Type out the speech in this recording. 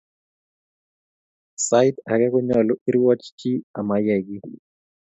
Sait ake konyolu irwoch chi amaiyil kiy